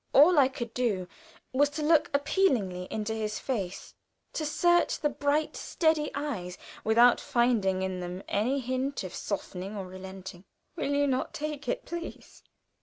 All I could do was to look appealingly into his face; to search the bright, steady eyes, without finding in them any hint of softening or relenting. "Will you not take it, please?"